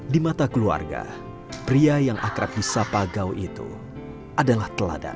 di mata keluarga pria yang akrab di sapa gau itu adalah teladan